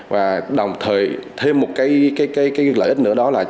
và đồng thời thêm một cái lợi ích nữa đó là